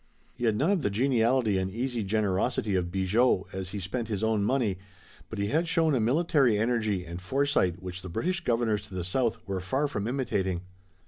He had none of the geniality and easy generosity of Bigot, as he spent his own money, but he had shown a military energy and foresight which the British governors to the south were far from imitating.